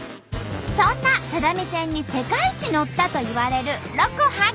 そんな只見線に世界一乗ったといわれるロコ発見！